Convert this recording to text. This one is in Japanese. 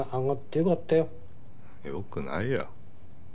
よくないよ。